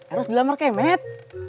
eros dilamar kemet